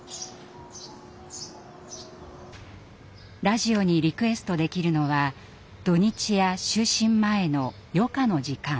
ラジオにリクエストできるのは土日や就寝前の余暇の時間。